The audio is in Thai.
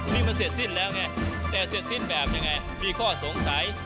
นี่มันเสร็จสิ้นแล้วไงแต่เสร็จสิ้นแบบยังไงมีข้อสงสัย